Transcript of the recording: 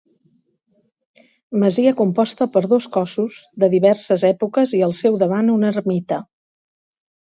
Masia composta per dos cossos de diverses èpoques i al seu davant una ermita.